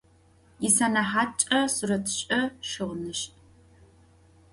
Yisenehatç'e suretış'e - şığınış'.